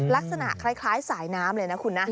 ลักษณะคล้ายสายน้ำเลยนะคุณนะ